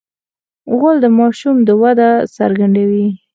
غول د ماشوم وده څرګندوي.